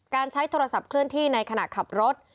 ใช้โทรศัพท์เคลื่อนที่ในขณะขับรถ